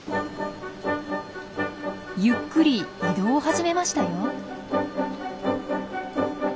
ゆっくり移動を始めましたよ。